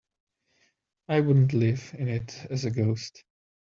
I wouldn't live in it as a ghost.